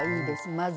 まず。